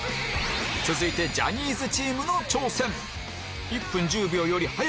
続いてジャニーズチームの挑戦